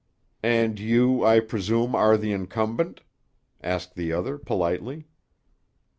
"And you, I presume, are the incumbent?" asked the other politely.